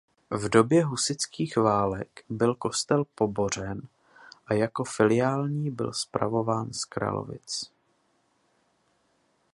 V době husitských válek byl kostel pobořen a jako filiální byl spravován z Kralovic.